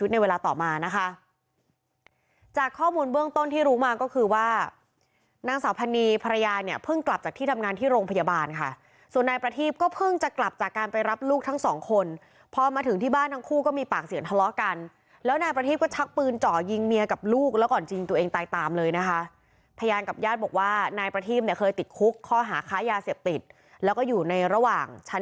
ในเวลาต่อมานะคะจากข้อมูลเบื้องต้นที่รู้มาก็คือว่านางสาวพันนียภรรยาเนี่ยเพิ่งกลับจากที่ทำงานที่โรงพยาบาลค่ะส่วนนายประทีปก็เพิ่งจะกลับจากการไปรับลูกทั้งสองคนพอมาถึงที่บ้านทั้งคู่ก็มีปากเสียทะเลาะกันแล้วนายประทีปก็ชักปืนเจาะยิงเมียกับลูกแล้วก่อนจริงตัวเองตายตามเลยนะคะพยานกับ